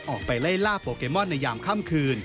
ออกไปไล่ล่าโปเกมอนในยามค่ำคืน